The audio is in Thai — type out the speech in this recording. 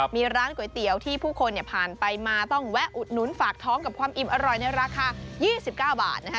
มีร้านก๋วยเตี๋ยวที่ผู้คนผ่านไปมาต้องแวะอุดหนุนฝากท้องกับความอิ่มอร่อยในราคา๒๙บาทนะคะ